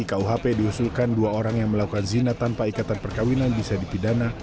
di kuhp diusulkan dua orang yang melakukan zina tanpa ikatan perkawinan bisa dipidana